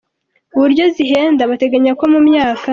uburyo zihenda Bateganya ko mu myaka.